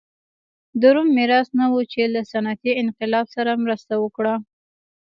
د روم میراث نه و چې له صنعتي انقلاب سره مرسته وکړه.